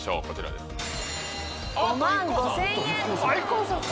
こちらです。